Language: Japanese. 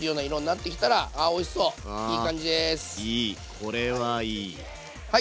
これはいい。